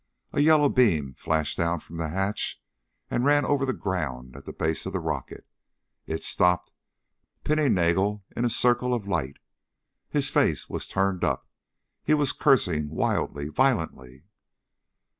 A yellow beam flashed down from the hatch and ran over the ground at the base of the rocket. It stopped, pinning Nagel in a circle of light. His face was turned up. He was cursing wildly, violently.